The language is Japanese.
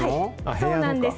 そうなんです。